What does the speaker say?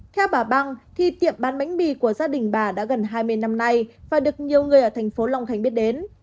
theo bà băng thì tiệm bán bánh mì của gia đình bà đã gần hai mươi năm nay và được nhiều người ở tp lòng khánh biết đến